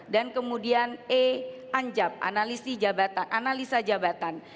dan kemudian e anjap analisa jabatan